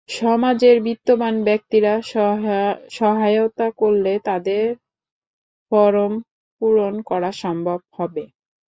সমাজের বিত্তবান ব্যক্তিরা সহায়তা করলে তাদের ফরম পূরণ করা সম্ভব হবে।